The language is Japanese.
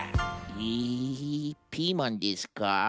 えピーマンですか？